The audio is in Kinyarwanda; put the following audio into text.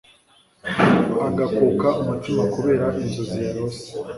agakuka umutima kubera inzozi yarose